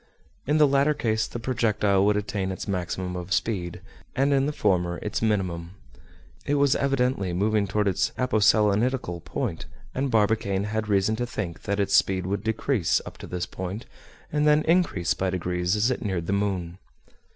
In the latter case, the projectile would attain its maximum of speed; and in the former its minimum. It was evidently moving toward its aposelenitical point; and Barbicane had reason to think that its speed would decrease up to this point, and then increase by degrees as it neared the moon.